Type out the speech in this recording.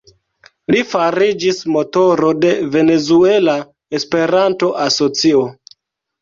Li fariĝis motoro de Venezuela Esperanto-Asocio.